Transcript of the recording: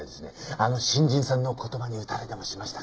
あの新人さんの言葉に打たれでもしましたかね？